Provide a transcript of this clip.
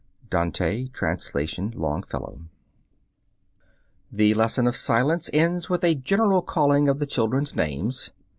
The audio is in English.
(Dante, trans. Longfellow.) The lesson of silence ends with a general calling of the children's names.